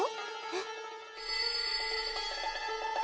えっ。